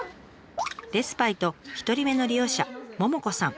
レスパイト１人目の利用者モモコさん。